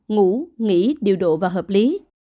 ngủ nghỉ điều độ và hợp lý